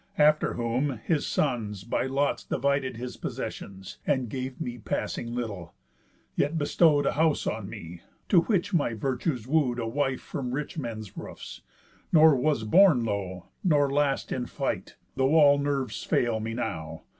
After whom, his sons By lots divided his possessions, And gave me passing little; yet bestow'd A house on me, to which my virtues woo'd A wife from rich men's roofs; nor was borne low, Nor last in fight, though all nerves fail me now.